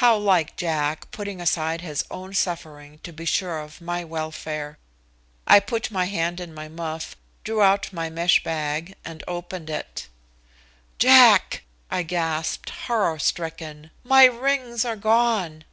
How like Jack, putting aside his own suffering to be sure of my welfare. I put my hand in my muff, drew out my mesh bag and opened it. "Jack!" I gasped, horror stricken, "my rings are gone!"